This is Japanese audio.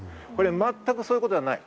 全くそういうことではない。